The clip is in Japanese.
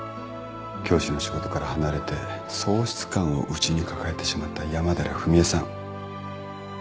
教師の仕事から離れて喪失感を内に抱えてしまった山寺史絵さん。